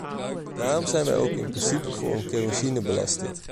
Daarom zijn wij ook in principe voor een kerosinebelasting.